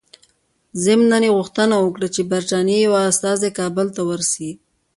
ضمناً یې غوښتنه وکړه چې د برټانیې یو استازی کابل ته ورسي.